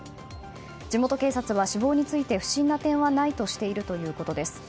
地元警察は死亡について不審な点はないとしているということです。